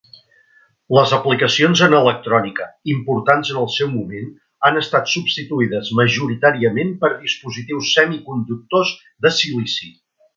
Les aplicacions en electrònica, importants en el seu moment, han estat substituïdes majoritàriament per dispositius semiconductors de silici.